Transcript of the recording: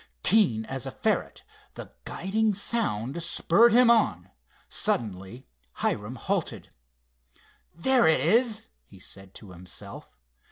Keen as a ferret, the guiding sound spurred him on. Suddenly Hiram halted. "There it is," he said to himself.